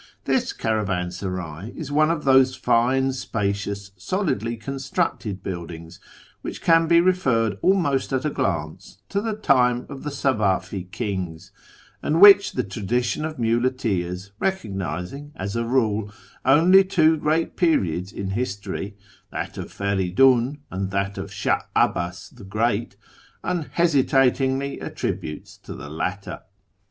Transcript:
This caravansaray is one of those fine, spacious, solidly constructed buildings which can be referred, almost at a glance, to the time of the Safavi kings, and which the tradition of muleteers, recognising, as a rule, only two great periods in history — that of Fen'dun, and that of Sh;ih 'Abbi'is the Great — unhesitatingly attributes to the latter.